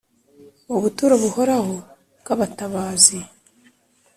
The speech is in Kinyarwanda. Mu buturo buhoraho bw’abatabazi